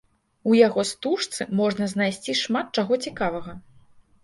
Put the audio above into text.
У яго стужцы можна знайсці шмат чаго цікавага.